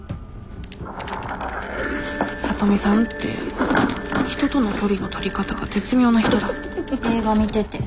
・聡美さんって人との距離のとり方が絶妙な人だ映画見てて。